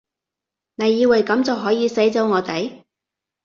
你以為噉就可以使走我哋？